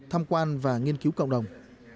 tham quan và nghiên cứu cộng đồng